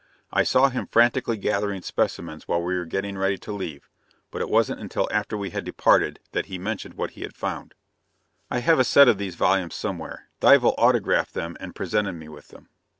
I saw him frantically gathering specimens while we were getting ready to leave, but it wasn't until after we had departed that he mentioned what he had found. I have a set of these volumes somewhere; Dival autographed them and presented me with them.